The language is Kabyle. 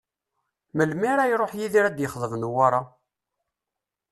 Melmi ara iruḥ Yidir ad d-ixḍeb Newwara?